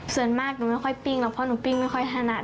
ส่วนมากหนูไม่ค่อยปิ้งหรอกเพราะหนูปิ้งไม่ค่อยถนัด